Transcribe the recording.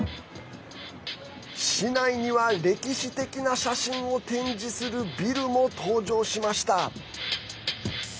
市内には歴史的な写真を展示するビルも登場しました。